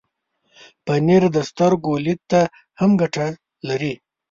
پنېر د سترګو لید ته هم ګټه لري.